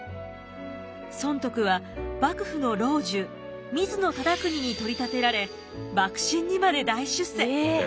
尊徳は幕府の老中水野忠邦に取り立てられ幕臣にまで大出世！